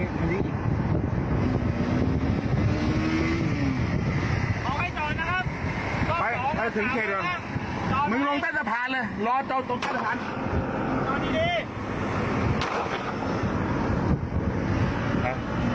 ขอให้จอดนะคะ